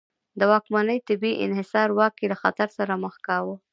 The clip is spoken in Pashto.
د واکمنې طبقې انحصاري واک یې له خطر سره مخ کاوه.